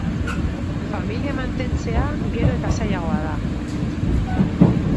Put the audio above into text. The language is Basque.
Familia mantentzea gero eta zailagoa da